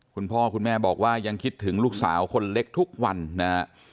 คุณพ่อคุณแม่บอกว่ายังคิดถึงลูกสาวคนเล็กทุกวันนะฮะ